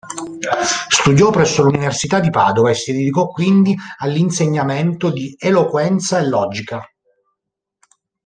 Studiò presso l'Università di Padova e si dedicò quindi all'insegnamento di eloquenza e logica.